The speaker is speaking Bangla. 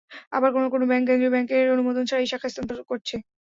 আবার কোনো কোনো ব্যাংক কেন্দ্রীয় ব্যাংকের অনুমোদন ছাড়াই শাখা স্থানান্তর করছে।